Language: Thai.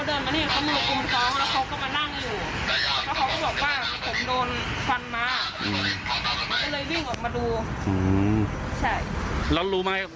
เพราะว่าหนูก็ทำร้ายร่วมท้องมากมี